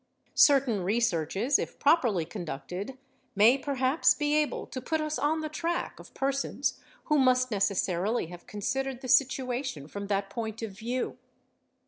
92 730 THEFT Certain researches, if properly conducted, may perhaps be able to put us on the track of persons who must necessarily have considered the situation from that point of view.